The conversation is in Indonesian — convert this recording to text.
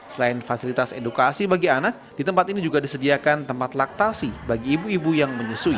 selain fasilitas edukasi bagi anak di tempat ini juga disediakan tempat laktasi bagi ibu ibu yang menyusui